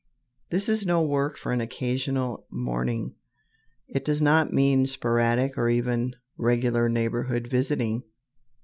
This is no work for an occasional morning. It does not mean sporadic or even regular "neighborhood visiting."